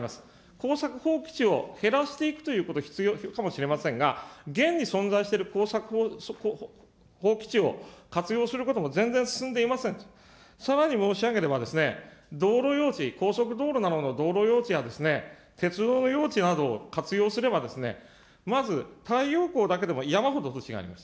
耕作放棄地を減らしていくということ、必要かもしれませんが、現に存在している耕作放棄地を活用することも全然進んでいませんと、さらに申し上げれば、道路用地、高速道路などの道路用地や鉄道の用地などを活用すればまず太陽光だけでも山ほど土地があります。